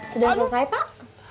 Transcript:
sudah selesai pak